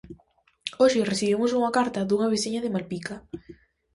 Hoxe recibimos unha carta dunha veciña de Malpica.